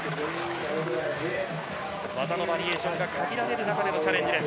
技のバリエーションが限られる中でのチャレンジです。